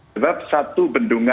sebab satu bendungan